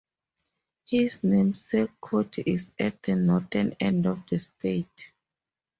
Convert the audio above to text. His namesake county is at the northern end of the state.